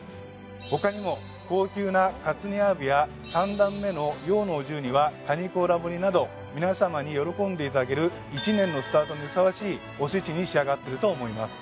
ほかにも高級な活煮アワビや三段目の洋のお重にはカニ甲羅盛りなど皆様に喜んでいただける一年のスタートにふさわしいおせちに仕上がってると思います